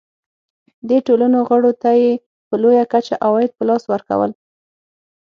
دې ټولنو غړو ته یې په لویه کچه عواید په لاس ورکول.